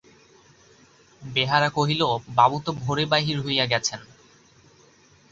বেহারা কহিল, বাবু তো ভোরে বাহির হইয়া গেছেন।